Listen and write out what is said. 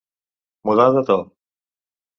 Mudar de to.